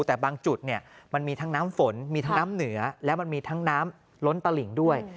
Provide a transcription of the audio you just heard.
แต่บางจุดเนี่ยมันมีทั้งน้ำฝนมีทั้งน้ำเหนือและมันมีทั้งน้ำล้นตลิ่งด้วย